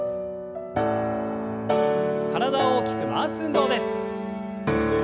体を大きく回す運動です。